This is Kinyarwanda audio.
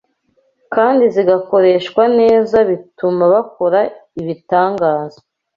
kandi zigakoreshwa neza bituma bakora ibitangaza